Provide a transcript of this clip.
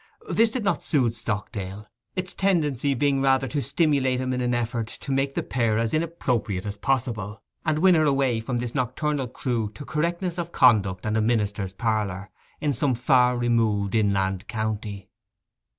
This did not soothe Stockdale, its tendency being rather to stimulate in him an effort to make the pair as inappropriate as possible, and win her away from this nocturnal crew to correctness of conduct and a minister's parlour in some far removed inland county.